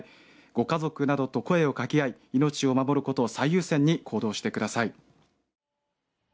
ご家族などと声をかけ合い命を守ることを最優先に行動してください。